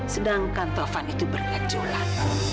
sedangkan taufan itu berkejulan